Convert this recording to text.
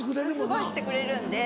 すごいしてくれるんで。